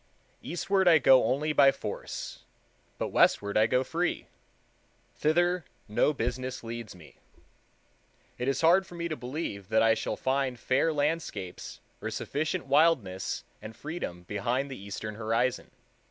Eastward I go only by force; but westward I go free. Thither no business leads me. It is hard for me to believe that I shall find fair landscapes or sufficient wildness and freedom behind the eastern horizon.